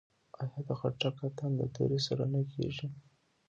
آیا د خټک اتن د تورې سره نه کیږي؟